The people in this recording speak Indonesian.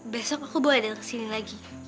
besok aku boleh datang kesini lagi